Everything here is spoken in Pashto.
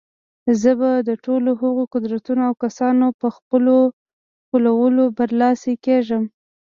زه به د ټولو هغو قدرتونو او کسانو په خپلولو برلاسي کېږم.